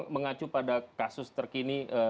mengacu pada kasus terkini